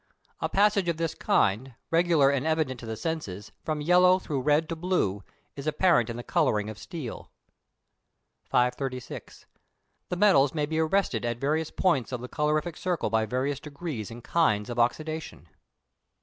A passage of this kind, regular and evident to the senses, from yellow through red to blue, is apparent in the colouring of steel. 536. The metals may be arrested at various points of the colorific circle by various degrees and kinds of oxydation.